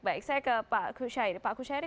baik saya ke pak khusyairi